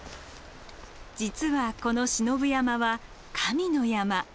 実はこの信夫山は「神の山」。